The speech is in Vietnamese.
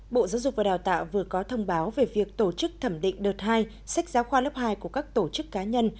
bộ giáo dục và đào tạo vừa có thông báo về việc tổ chức thẩm định đợt hai sách giáo khoa lớp hai của các tổ chức cá nhân